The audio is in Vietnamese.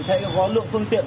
thể có lượng phương tiện